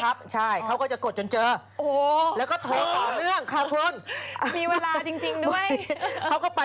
ไม่ใช่มันเข้าคอเซ็นเตอร์ของเขา